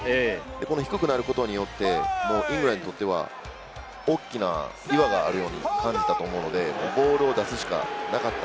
この低くなることによって、イングランドにとっては大きな岩があるように感じたと思うんで、ボールを出すしかなかった。